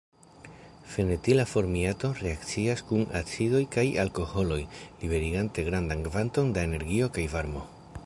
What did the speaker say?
Fenetila formiato reakcias kun acidoj kaj alkoholoj liberigante grandan kvanton da energio kaj varmo.